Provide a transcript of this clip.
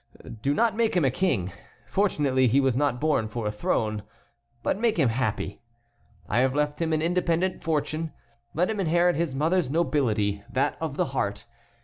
Do not make him a king,—fortunately he was not born for a throne,—but make him happy. I have left him an independent fortune. Let him inherit his mother's nobility, that of the heart.